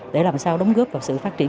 để làm sao đóng góp vào sự phát triển